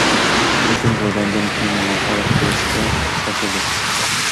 لېكىن، بىردەمدىن كېيىن ماڭا قاراپ كېلىشكە باشلىدى.